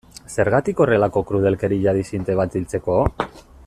Zergatik horrelako krudelkeria disidente bat hiltzeko?